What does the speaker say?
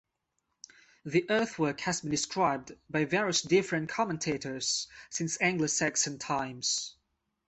The earthwork has been described by various different commentators since Anglo-Saxon times.